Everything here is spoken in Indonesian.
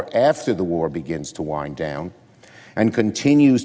dan terus mengembangkan kebijakan yang berbahaya